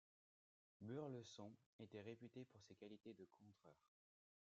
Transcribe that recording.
Burleson était réputé pour ses qualités de contreur.